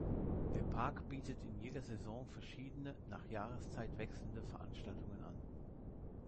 Der Park bietet in jeder Saison verschiedene, nach Jahreszeit wechselnde Veranstaltungen an.